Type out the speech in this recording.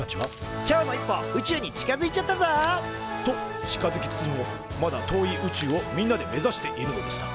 「今日も一歩宇宙に近づいちゃったぞ！」と近づきつつもまだ遠い宇宙をみんなで目指しているのでした。